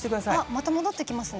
また戻ってきますね。